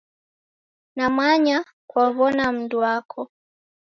Namanya kwaw'ona mndu wako